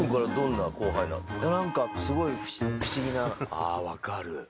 あ分かる。